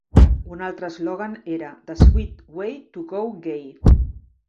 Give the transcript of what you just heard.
Un altre eslògan era "The sweet way to go gay".